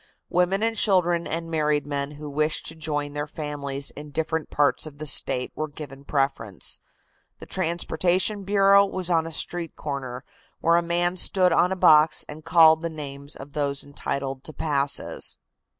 Women and children and married men who wished to join their families in different parts of the State were given preference. The transportation bureau was on a street corner, where a man stood on a box and called the names of those entitled to passes.